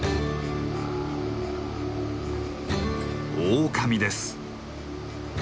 オオカミです。